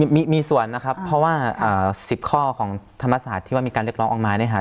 มีส่วนนะครับเพราะว่า๑๐ข้อของธรรมศาสตร์ที่ว่ามีการเรียกร้องออกมาเนี่ยค่ะ